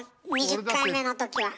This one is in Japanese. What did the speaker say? ２０回目のときは！